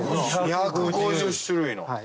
２５０種類の！